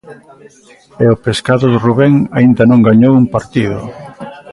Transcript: E o Pescados Rubén aínda non gañou un partido.